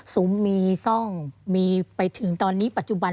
ซุ้มมีซ่องมีไปถึงตอนนี้ปัจจุบัน